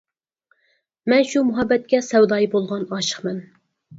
مەن شۇ مۇھەببەتكە سەۋدايى بولغان ئاشىقمەن.